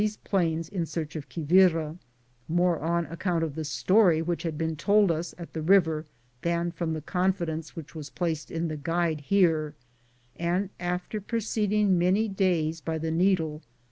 am Google THE JOURNEY OP COROHADO plains in search of Quivira, more on account of the story which had been told us at the river than from the confidence which was placed in the guide here, and after proceed ing many days by the needle (i.